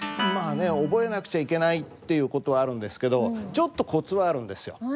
まあね覚えなくちゃいけないっていう事はあるんですけどちょっとコツはあるんですよ。